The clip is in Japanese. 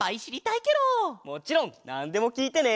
もちろんなんでもきいてね！